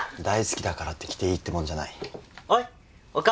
大好きだからって来ていいってもんじゃない。